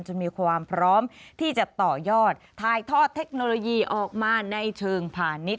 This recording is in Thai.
มีความพร้อมที่จะต่อยอดถ่ายทอดเทคโนโลยีออกมาในเชิงพาณิชย